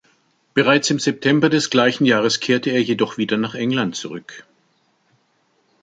Bereits im September des gleichen Jahres kehrte er jedoch wieder nach England zurück.